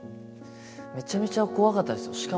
めちゃめちゃ怖かったですよ。